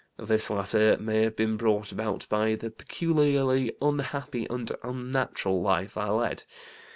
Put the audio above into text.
This latter may have been brought about by the peculiarly unhappy and unnatural life I led.